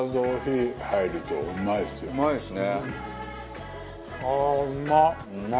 うまいですね。